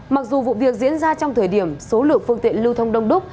mặc dù vụ việc diễn ra trong thời điểm số lượng phương tiện lưu thông đông đúc